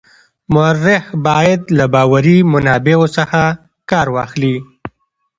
مورخ باید له باوري منابعو څخه کار واخلي.